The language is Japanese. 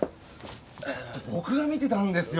僕が見てたんですよ？